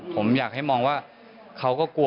ผมอยากให้มองว่าเขาก็กลัว